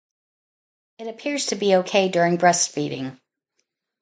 It appears to be okay during breastfeeding.